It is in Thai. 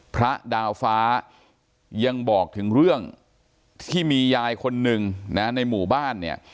พระดาวฟ้ายังบอกถึงเรื่องที่มียายคนนึงนะในหมู่บ้านเนี่ย